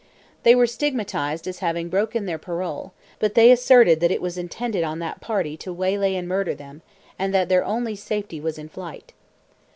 They were stigmatized as having broken their parole, but they asserted that it was intended on that party to waylay and murder them, and that their only safety was in flight.